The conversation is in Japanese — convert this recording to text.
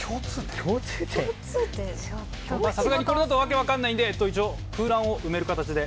さすがにこれだと訳分かんないんで一応空欄を埋める形で。